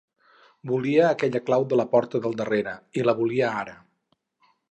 Volia aquella clau de la porta del darrere, i la volia ara.